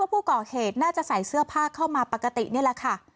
ผู้ก่อเหตุน่าจะใส่เสื้อผ้าเข้ามาปกตินี่แหละค่ะ